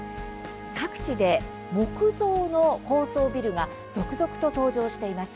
各地で木造の高層ビルが続々と登場しています。